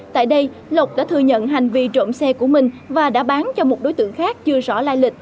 tại đây lộc đã thừa nhận hành vi trộm xe của mình và đã bán cho một đối tượng khác chưa rõ lai lịch